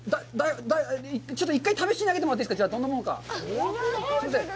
ちょっと１回試しに投げてもらっていいですか、どんなもんか。